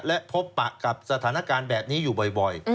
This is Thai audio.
และพบปะกับสถานการณ์แบบนี้อยู่บ่อย